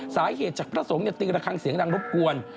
สาเหตุจากพระสงฆ์ตีระคังเสียงดังรบกวน